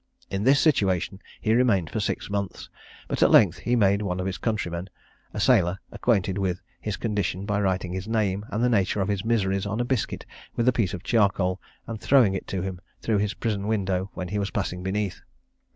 In this situation he remained for six months; but at length he made one of his countrymen, a sailor, acquainted with his condition by writing his name and the nature of his miseries on a biscuit with a piece of charcoal, and throwing it to him through his prison window when he was passing beneath.